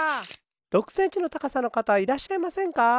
６センチのたかさの方はいらっしゃいませんか？